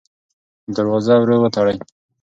دروازه ورو وتړئ.